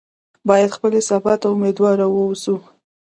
باید خپلې سبا ته امیدواره واوسو.